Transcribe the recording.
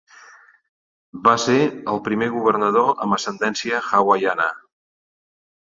Va ser el primer governador amb ascendència hawaiana.